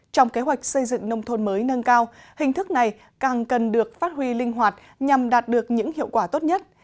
trong kế hoạch xây dựng nông thôn mới nâng cao hình thức này càng cần được phát huy linh hoạt nhằm đạt được những hiệu quả tốt nhất